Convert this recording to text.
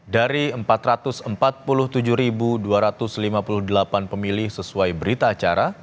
dari empat ratus empat puluh tujuh dua ratus lima puluh delapan pemilih sesuai berita acara